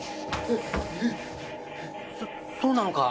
そそうなのか？